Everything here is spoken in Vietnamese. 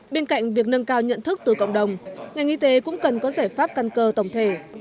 bên cạnh việc nâng cao nhận thức từ cộng đồng ngành y tế cũng cần có giải pháp căn cơ tổng thể